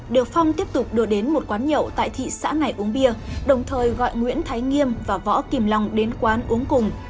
được phong tiếp tục đưa đến một quán nhậu tại thị xã này uống bia đồng thời gọi nguyễn thái nghiêm và võ kim long đến quán uống cùng